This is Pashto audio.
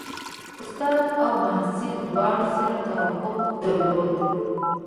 استاد او محصل دواړو سره توافق درلود.